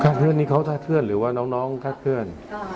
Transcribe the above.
คาดเทื่อนนี่เขาคาดเทื่อนหรือว่าน้องคาดเทื่อน